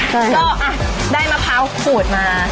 ก็นะได้มะพาวขู่ดมา